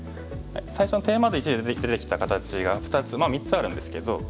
最初のテーマ図１で出てきた形が２つ３つあるんですけど。